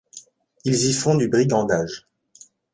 Ils y font du brigandage.